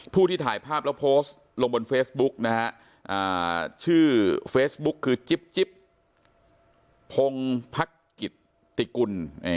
ที่ถ่ายภาพแล้วโพสต์ลงบนเฟซบุ๊กนะฮะชื่อเฟซบุ๊กคือจิ๊บพงพักกิตติกุล